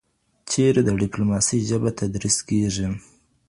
چېري د ډیپلوماسۍ ژبه تدریس کیږي؟